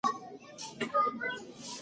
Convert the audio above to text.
څېړونکي په دې باور دي چې کم غوښه کول ګټور دي.